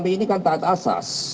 ini kan taat asas